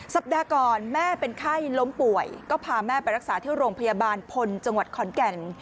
สัปดาห์ก่อนแม่เป็นไข้ล้มป่วยก็พาแม่ไปรักษาที่โรงพยาบาลพลจังหวัดขอนแก่น